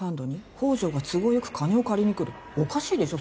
宝条が都合よく金を借りに来るおかしいでしょ